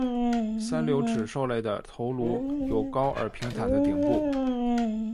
三瘤齿兽类的头颅有高而平坦的顶部。